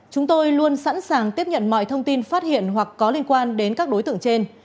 chúng tôi luôn sẵn sàng tiếp nhận mọi thông tin phát hiện hoặc có liên quan đến các đối tượng trên